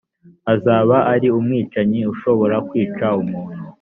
azaba ari umwicanyi ushobora kwica umuntu